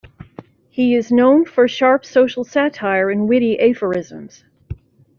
He is known for sharp social satire and witty aphorisms.